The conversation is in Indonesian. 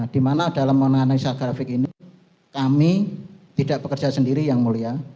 di mana dalam menganalisa grafik ini kami tidak bekerja sendiri yang mulia